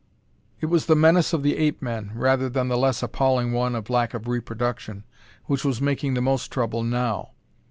It was the menace of the ape men, rather than the less appalling one of lack of reproduction, which was making the most trouble now.